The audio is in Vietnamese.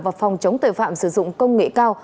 và phòng chống tội phạm sử dụng công nghệ cao